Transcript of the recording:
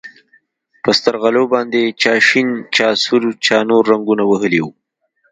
په سترغلو باندې چا شين چا سور چا نور رنګونه وهلي وو.